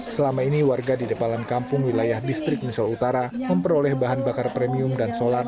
selama ini warga di depan kampung wilayah distrik misol utara memperoleh bahan bakar premium dan solar